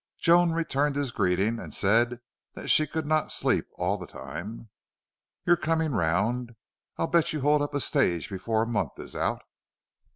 Joan returned his greeting and said that she could not sleep all the time. "You're coming round. I'll bet you hold up a stage before a month is out."